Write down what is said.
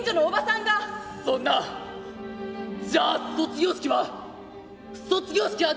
「そんなじゃあ卒業式は？